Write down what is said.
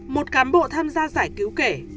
một cán bộ tham gia giải cứu kể